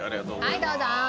はいどうぞ。